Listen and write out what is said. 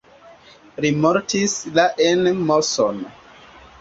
Li mortis la en Moson.